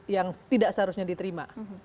yang tidak seharusnya diterima